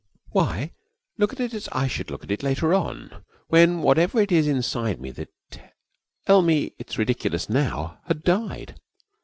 'Why? Look at it as I should look at it later on, when whatever it is inside me that tell me it's ridiculous now had died.